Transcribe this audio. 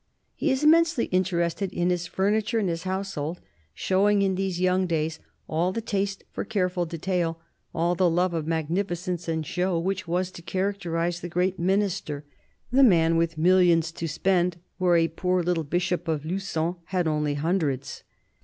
..." He is immensely interested in his furniture and his household, showing in these young days all the taste for careful detail, all the love of magnificence and show, which was to characterise the great Minister, the man with millions to spend where a poor little Bishop of Lugon had only hundreds.